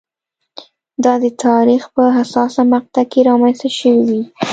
دا د تاریخ په حساسه مقطعه کې رامنځته شوې وي.